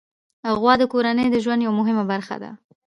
غوا د کورنۍ د ژوند یوه مهمه برخه ده.